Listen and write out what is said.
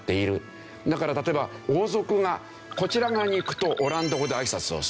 だから例えば王族がこちら側に行くとオランダ語で挨拶をする。